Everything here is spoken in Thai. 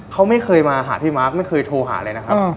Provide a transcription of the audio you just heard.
เขาไม่เคยมาหาพี่มาร์คไม่เคยโทรหาเลยนะครับ